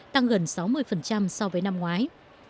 tăng gần sáu mươi so với năm ngoái